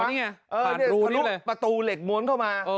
เออนี่สะลุกประตูเหล็กม้วนเข้ามา